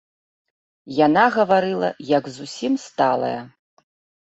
Яна гаварыла, як зусім сталая.